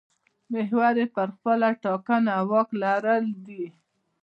محور یې پر خپله ټاکنه واک لرل دي.